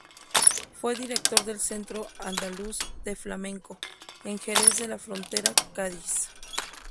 Fue director del Centro Andaluz de Flamenco, en Jerez de la Frontera, Cádiz.